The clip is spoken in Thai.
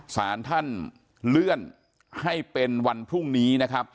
สารท่านเลื่อนให้เป็นวันพรุ่งนี้นะครับ